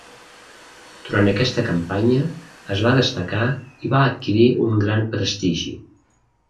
Durant aquesta campanya es va destacar i va adquirir un gran prestigi.